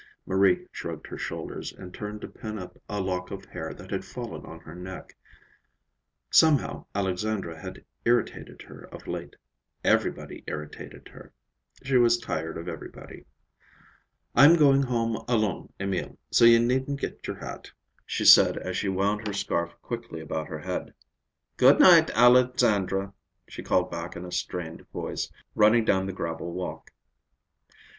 Marie shrugged her shoulders and turned to pin up a lock of hair that had fallen on her neck. Somehow Alexandra had irritated her of late. Everybody irritated her. She was tired of everybody. "I'm going home alone, Emil, so you needn't get your hat," she said as she wound her scarf quickly about her head. "Good night, Alexandra," she called back in a strained voice, running down the gravel walk.